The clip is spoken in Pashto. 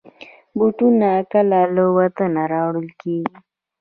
بوټونه کله له وطنه راوړل کېږي.